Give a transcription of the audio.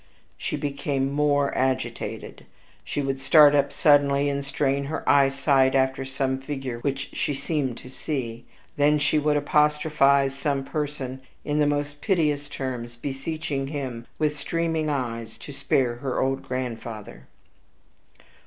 She became more agitated; she would start up suddenly, and strain her eye sight after some figure which she seemed to see; then she would apostrophize some person in the most piteous terms, beseeching him, with streaming eyes, to spare her old grandfather.